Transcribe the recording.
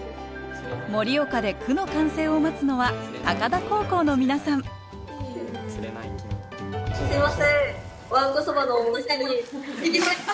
盛岡で句の完成を待つのは高田高校の皆さんすいません！